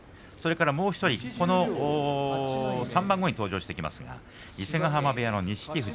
もう１人、３番後に登場しますが伊勢ヶ濱部屋の錦富士。